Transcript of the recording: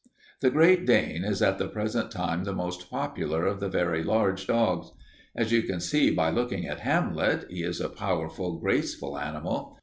"The Great Dane is at the present time the most popular of the very large dogs. As you can see by looking at Hamlet, he is a powerful, graceful animal.